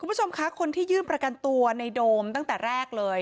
คุณผู้ชมคะคนที่ยื่นประกันตัวในโดมตั้งแต่แรกเลย